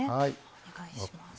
お願いします。